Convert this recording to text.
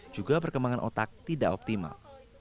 juga perkembangan otak tidak optimal